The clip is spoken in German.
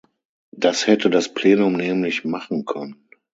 Das hätte das Plenum nämlich machen können.